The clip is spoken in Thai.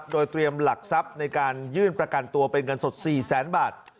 โดยเตรียมหลักทรัพย์ในการยื่นประกันตัวเป็นเงินสด๔แสนบาท